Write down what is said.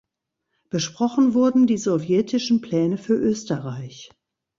Besprochen wurden die sowjetischen Pläne für Österreich.